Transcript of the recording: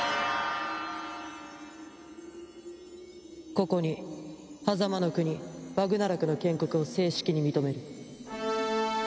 ここに狭間の国バグナラクの建国を正式に認める。